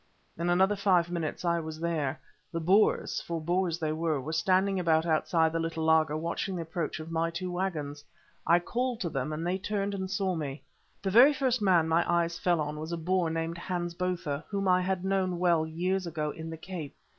In another five minutes I was there. The Boers—for Boers they were—were standing about outside the little laager watching the approach of my two waggons. I called to them, and they turned and saw me. The very first man my eyes fell on was a Boer named Hans Botha, whom I had known well years ago in the Cape.